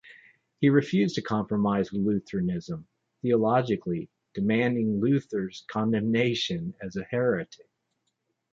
He refused to compromise with Lutheranism theologically, demanding Luther's condemnation as a heretic.